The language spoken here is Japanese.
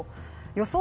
予想